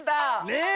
ねえ！